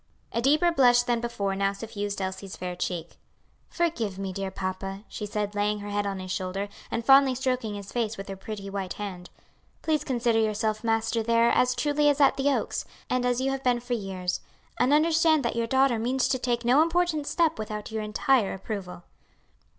A deeper blush than before now suffused Elsie's fair cheek. "Forgive me, dear papa," she said, laying her head on his shoulder, and fondly stroking his face with her pretty white hand. "Please consider yourself master there as truly as at the Oaks, and as you have been for years; and understand that your daughter means to take no important step without your entire approval."